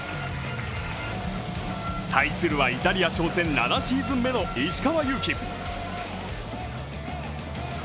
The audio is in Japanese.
対するは、イタリア挑戦７シーズン目の石川祐希